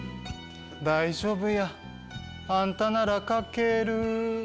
大丈夫やあんたなら書けるぅ。